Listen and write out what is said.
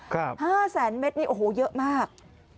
ครับ๕๐๐๐๐๐เม็ดนี่โอ้โหเยอะมาก